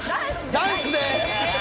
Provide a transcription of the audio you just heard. ダンスです！